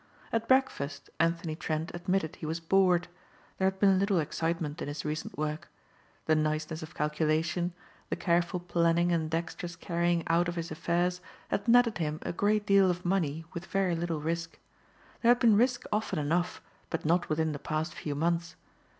At breakfast Anthony Trent admitted he was bored. There had been little excitement in his recent work. The niceness of calculation, the careful planning and dextrous carrying out of his affairs had netted him a great deal of money with very little risk. There had been risk often enough but not within the past few months.